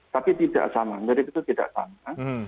tapi tidak sama lirik itu tidak sama